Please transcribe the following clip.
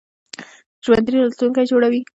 ژوندي راتلونکی جوړوي